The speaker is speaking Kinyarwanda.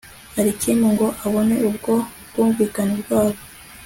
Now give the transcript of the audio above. alikimu ngo abone ubwo bwumvikane bwabo